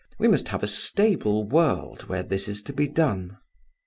We must have a stable world where this is to be done.